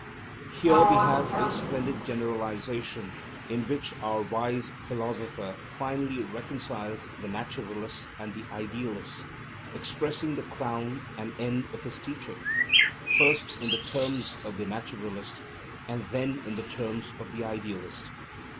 Here we have a splendid generalization, in which our wise philosopher finally reconciles the naturalists and the idealists, expressing the crown and end of his teaching, first in the terms of the naturalist, and then in the terms of the idealist.